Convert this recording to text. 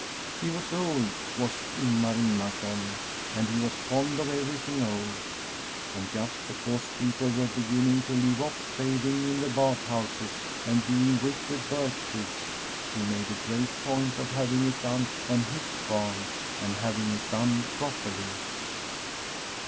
He was old, was Ing^ar Ingmarson, and he was fond of everything old, and just because people were be ginning to leave oflF bathing in the bath houses and being whipped with birch twigs, he made a great point of having it done on his farm, and having it done properly.